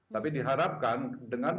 tapi diharapkan dengan